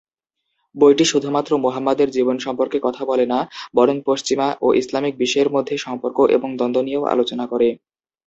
বইটি শুধুমাত্র মুহাম্মাদের জীবন সম্পর্কে কথা বলে না বরং পশ্চিমা ও ইসলামিক বিশ্বের মধ্যে সম্পর্ক এবং দ্বন্দ্ব নিয়েও আলোচনা করে।